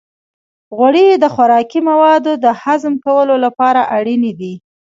غوړې د خوراکي موادو د هضم کولو لپاره اړینې دي.